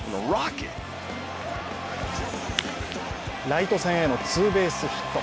ライト線へのツーベースヒット。